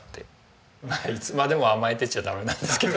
まあいつまでも甘えてちゃダメなんですけど。